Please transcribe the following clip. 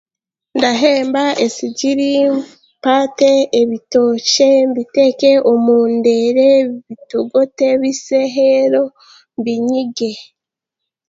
Ndahemba esigiri, mpaate ebitookye, mbiteeke omu ndeere bitogote bise reero mbinyige